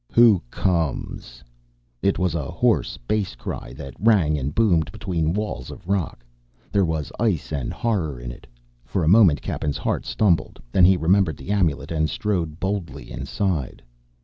"Who comes?" It was a hoarse bass cry that rang and boomed between walls of rock; there was ice and horror in it, for a moment Cappen's heart stumbled. Then he remembered the amulet and strode boldly inside.